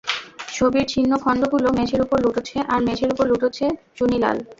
ছবির ছিন্ন খণ্ডগুলো মেঝের উপর লুটোচ্ছে আর মেঝের উপর লুটোচ্ছে চুনিলাল।